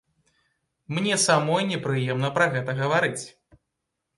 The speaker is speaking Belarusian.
Мне самой непрыемна пра гэта гаварыць.